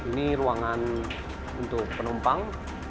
ini ruangan untuk penumpang